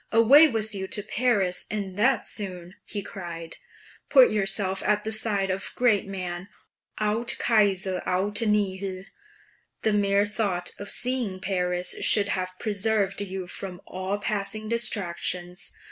"Away with you to Paris, and that soon!" he cried. "Put yourself at the side of great men aut Cosar aut nihil! The mere thought of seeing Paris should have preserved you from all passing distractions.